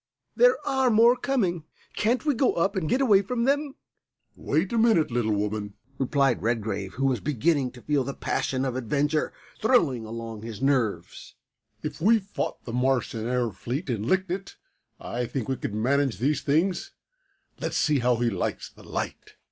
there are more coming. Can't we go up and get away from them?" "Wait a minute, little woman," replied Redgrave, who was beginning to feel the passion of adventure thrilling along his nerves. "If we fought the Martian air fleet and licked it I think we can manage these things. Let's see how he likes the light."